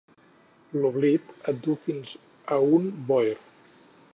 L'oblit et du fins a un boir